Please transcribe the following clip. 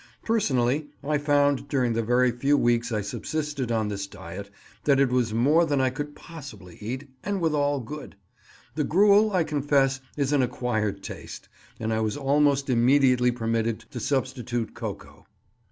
Personally I found during the very few weeks I subsisted on this diet that it was more than I could possibly eat, and withal good. The gruel, I confess, is an acquired taste, and I was almost immediately permitted to substitute cocoa.